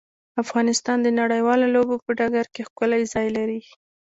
افغانستان د نړیوالو لوبو په ډګر کې ښکلی ځای لري.